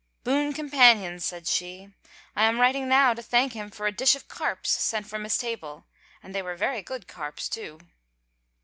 " Boon companions," said she. " I am writing now to thank him for a dish of carps sent from his table. ... And they were very good carps, too."